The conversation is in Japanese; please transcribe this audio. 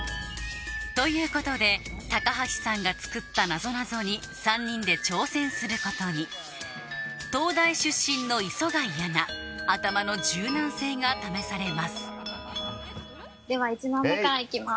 ということで高橋さんが作ったなぞなぞに３人で挑戦することに東大出身の磯貝アナ頭の柔軟性が試されますでは１問目からいきます。